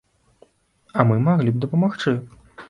А мы маглі б дапамагчы.